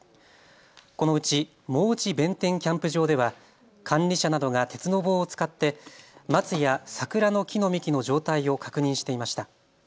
このうち望地弁天キャンプ場では管理者などが鉄の棒を使って松や桜の木の幹の状態を確認していました。